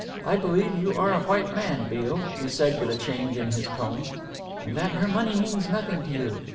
I believe you are a white man, Beale," he said with a change in his tone, "and that her money means nothing to you.